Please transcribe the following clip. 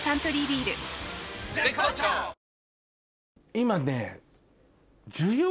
今ね。